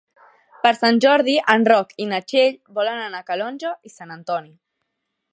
Per Sant Jordi en Roc i na Txell volen anar a Calonge i Sant Antoni.